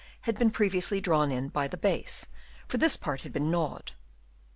83 5 had been previously drawn in by the base, for this part had been gnawed.